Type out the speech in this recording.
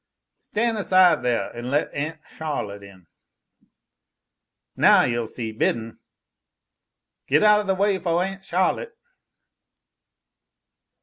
"Stan' aside theah an' let Aun' Charlotte in!" "Now you'll see biddin'!" "Get out of the way foh Aun' Charlotte!"